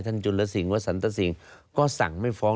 จุลสิงหวสันตสิงก็สั่งไม่ฟ้อง